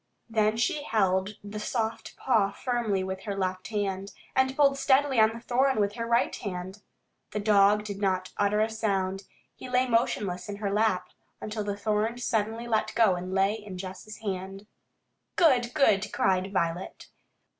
Then she held the soft paw firmly with her left hand, and pulled steadily on the thorn with her right hand. The dog did not utter a sound. He lay motionless in her lap, until the thorn suddenly let go and lay in Jess' hand. "Good, good!" cried Violet.